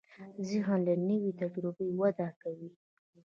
ذهن له نوې تجربې وده کوي.